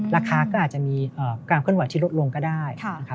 ราคาก็อาจจะมีการขึ้นหวัดที่ลดลงก็ได้